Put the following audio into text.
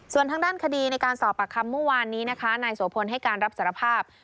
ส่วนทางด้านคดีในการสอบปากคำเมื่อวานนี้นะคะนายโสพลให้การรับสารภาพ